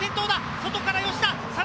外から吉田。